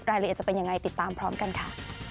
รายละเอียดจะเป็นยังไงติดตามพร้อมกันค่ะ